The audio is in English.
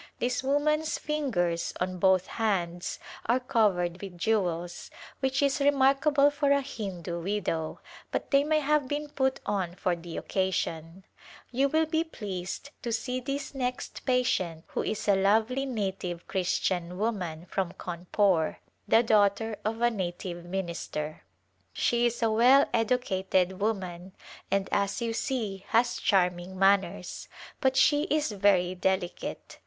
This woman's fingers on both hands are covered with jewels, which is remarkable for a Hindu widow, but they may have been put on for the occasion. You will be [ loi] A Glimpse of l7idia pleased to see this next patient who is a lovely native Christian woman from Cawnpore, the daughter of a native minister. She is a well educated woman, and, as you see, has charming manners, but she is very delicate.